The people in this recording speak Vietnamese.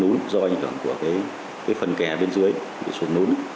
cũng do ảnh hưởng của cái phần kè bên dưới bị sụt núi